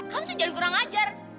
kamu tuh jangan kurang ajar